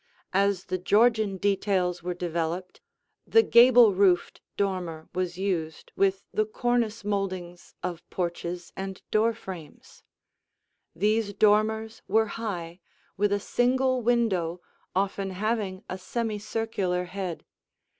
As the Georgian details were developed, the gable roofed dormer was used with the cornice moldings of porches and door frames. These dormers were high, with a single window often having a semicircular head.